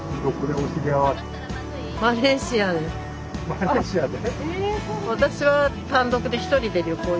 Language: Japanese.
マレーシアで？